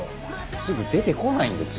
すぐ出てこないんですよ。